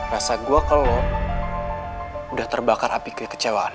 rasaku sama lo udah terbakar api kekecewaan